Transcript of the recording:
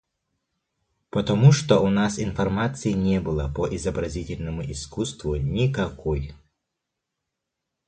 Потому что у нас информации не было по изобразительному искусству никакой.